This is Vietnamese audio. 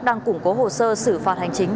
đang củng cố hồ sơ xử phạt hành chính